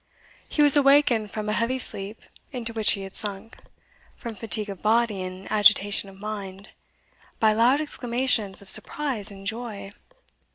He was awakened from a heavy sleep into which he had sunk, from fatigue of body and agitation of mind, by loud exclamations of surprise and joy.